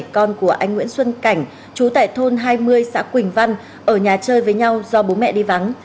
con của anh nguyễn xuân cảnh chú tại thôn hai mươi xã quỳnh văn ở nhà chơi với nhau do bố mẹ đi vắng